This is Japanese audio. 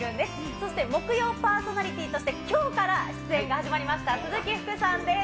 そして木曜パーソナリティーとして、きょうから出演が始まりました鈴木福さんです。